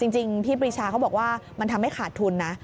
จริงพี่ปรีชาเขาบอกว่ามันทำให้ขาดทุนนะ